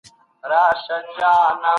د بدن قوت لپاره سالم خواړه وکاروئ.